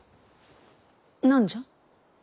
何じゃ？